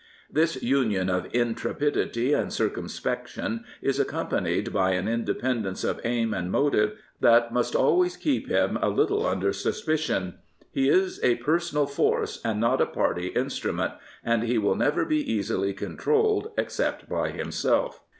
This union of intrepidity and circumspection is accompanied by an independence of aim and motive that must always keep him a little under suspicion. He is a personal force and not a party instrument, and he will never be easily controlled except by himself.